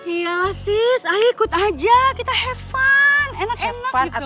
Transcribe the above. iya lah sis ah ikut aja kita have fun enak enak gitu loh